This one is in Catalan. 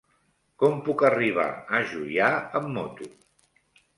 Com puc arribar a Juià amb moto?